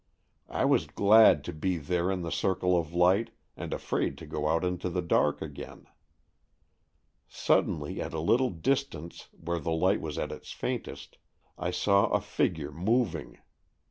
I was glad to be there in the circle of light, and afraid to go out into the dark again. Suddenly, at a little distance, where the light was at its faintest, I saw a figure moving.